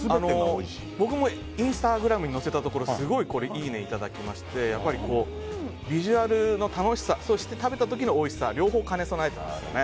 僕もインスタグラムに載せたところすごい、いいねをいだたきましてビジュアルの楽しさ食べた時のおいしさ両方兼ね備えてますよね。